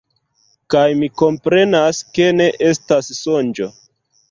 Kaj mi komprenas, ke ne estas sonĝo.